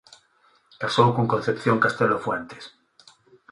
Casou con Concepción Castelo Fuentes.